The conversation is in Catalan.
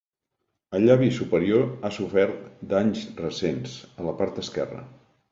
El llavi superior ha sofert danys recents, a la part esquerra.